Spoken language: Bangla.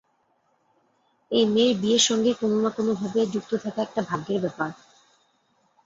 এই মেয়ের বিয়ের সঙ্গে কোনো-না- কোনোভাবে যুক্ত থাকা একটা ভাগ্যের ব্যাপার।